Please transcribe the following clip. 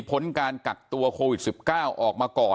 พ้นการกักตัวโควิด๑๙ออกมาก่อน